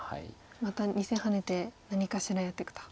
また２線ハネて何かしらやっていくと。